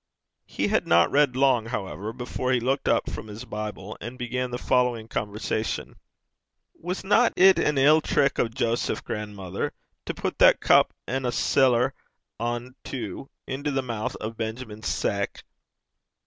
He had not read long, however, before he looked up from his Bible and began the following conversation: 'Wasna it an ill trick o' Joseph, gran'mither, to put that cup, an' a siller ane tu, into the mou' o' Benjamin's seck?'